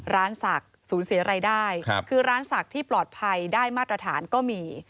ศักดิ์สูญเสียรายได้คือร้านศักดิ์ที่ปลอดภัยได้มาตรฐานก็มี